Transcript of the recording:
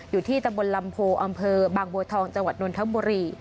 อยู่ที่ตำบลลำโพอำเภอบางบัวทองจังหวัดนทบุรี